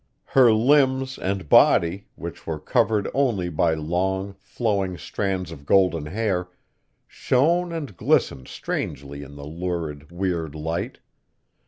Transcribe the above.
Her limbs and body, which were covered only by long, flowing strands of golden hair, shone and glistened strangely in the lurid, weird light.